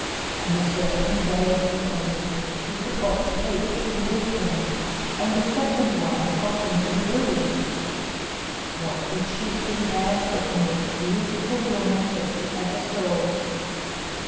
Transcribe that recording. On a certain day of the days he forgot to take the key with him, and the second wife got into the room. What did she see there but the most beautiful woman that she ever saw.